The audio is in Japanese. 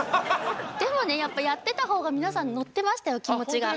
でもねやっぱやってた方が皆さん乗ってましたよ気持ちが。